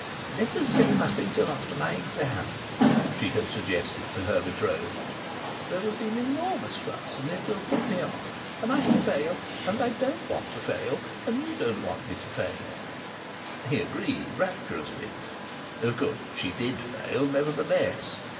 "Let us say nothing till after my exam," she had suggested to her betrothed. "There will be an enormous fuss, and it will put me off, and I shall fail, and I don't want to fail, and you don't want me to fail." He agreed rapturously. Of course she did fail, nevertheless.